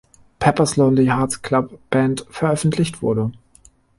Pepper’s Lonely Hearts Club Band" veröffentlicht wurde.